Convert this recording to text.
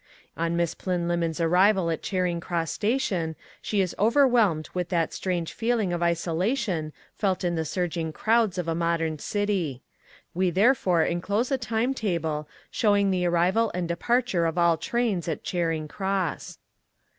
On Miss Plynlimmon's arrival at Charing Cross Station, she is overwhelmed with that strange feeling of isolation felt in the surging crowds of a modern city. We therefore enclose a timetable showing the arrival and departure of all trains at Charing Cross.